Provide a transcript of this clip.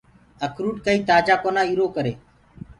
اکروُٽ ڪآئي تآجآ ڪونآ اُرو ڪري۔